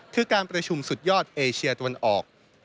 คือการประชุมสุดยอดเอเชียตะวันออก